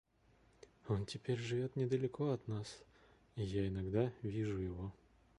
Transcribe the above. Он теперь живет недалеко от нас, и я иногда вижу его.